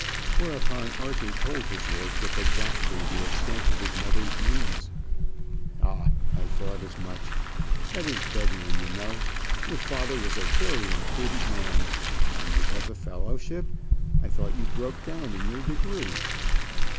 Whereupon Arthur told his lordship exactly the extent of his mother's means. "Ah, I thought as much. That is beggary, you know. Your father was a very imprudent man. And you have a fellowship? I thought you broke down in your degree."